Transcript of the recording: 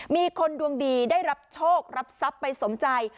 มีคนดวงดีได้รับโชครับทรัพย์ไปสมใจ